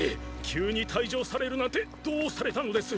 急に退場されるなんてどうされたのです